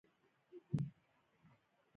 د معتزله په نامه یاده شوه.